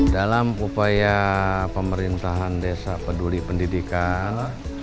dalam upaya pemerintahan desa peduli pendidikan